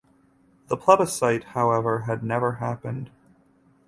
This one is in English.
The plebiscite however had never happened.